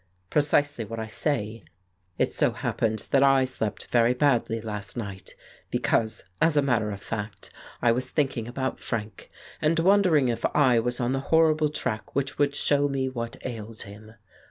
"Precisely what I say. It so happened that I slept very badly last night, because, as a matter of fact, I was thinking about Frank, and wondering if I was on the horrible track which would show me what ailed him.